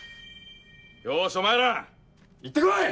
よしお前ら行って来い！